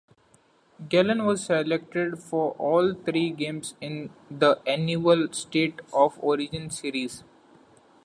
Gallen was selected for all three games in the annual State of Origin series.